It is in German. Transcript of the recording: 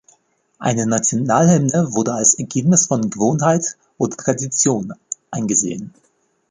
Eine Nationalhymne wurde als Ergebnis von Gewohnheit oder Tradition angesehen.